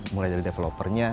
mulai dari developernya